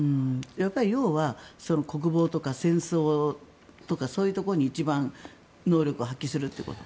要は国防とか戦争とかそういうところに一番能力を発揮するということ？